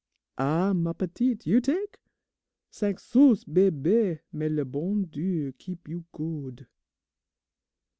"Ah, ma petite, you tak'? Cinq sous, bebe, may le bon Dieu keep you good!